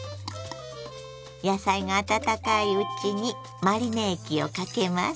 野菜が温かいうちにマリネ液をかけます。